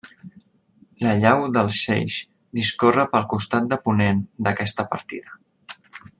La llau del Seix discorre pel costat de ponent d'aquesta partida.